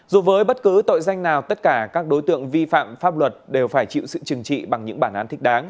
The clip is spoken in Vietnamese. dù với bất cứ tội danh nào tất cả các đối tượng vi phạm pháp luật đều phải chịu sự chừng trị